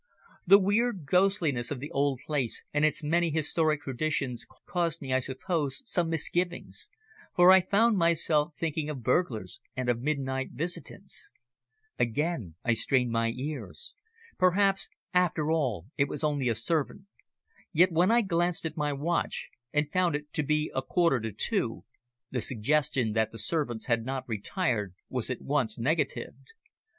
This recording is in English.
The weird ghostliness of the old place and its many historic traditions caused me, I suppose, some misgivings, for I found myself thinking of burglars and of midnight visitants. Again I strained my ears. Perhaps, after all, it was only a servant! Yet, when I glanced at my watch, and found it to be a quarter to two, the suggestion that the servants had not retired was at once negatived.